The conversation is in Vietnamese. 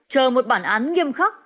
chờ một bản án nghiêm khắc